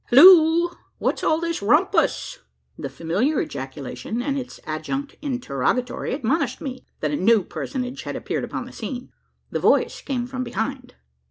"Hilloo! what's all this rumpus?" The familiar ejaculation, and its adjunct interrogatory, admonished me that a new personage had appeared upon the scene. The voice came from behind.